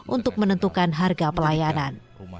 untuk menentukan harga pelayanan